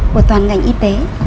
của toàn ngành y tế